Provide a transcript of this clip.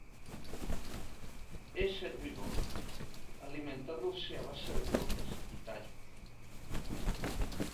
Es herbívoro, alimentándose a base de brotes y tallos.